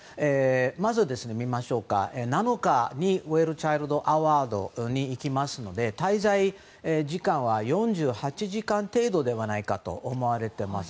まず、７日にウェルチャイルド・アワードに行きますので、滞在時間は４８時間程度ではないかと思われています。